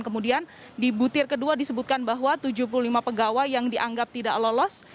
kemudian di butir kedua disebutkan bahwa tujuh puluh lima pegawai yang dianggap tidak lolos